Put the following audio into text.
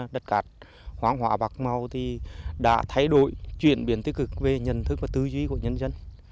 đất cát hoang hóa bạc màu thì đã thay đổi chuyển biến tích cực về nhận thức và tư duy của nhân dân